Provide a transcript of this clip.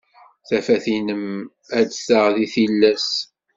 Tafat-nnem ad d-taɣ deg tillas.